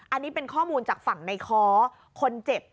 อันนี้เป็นข้อมูลจากฝั่งในค้อคนเจ็บ